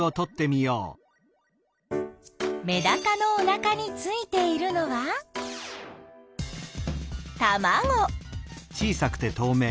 メダカのおなかについているのはたまご！